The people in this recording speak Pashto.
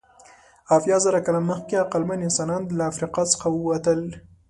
اویازره کاله مخکې عقلمن انسانان له افریقا څخه ووتل.